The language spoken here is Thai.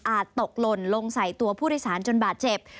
ตกหล่นลงใส่ตัวผู้โดยสารจนบาดเจ็บ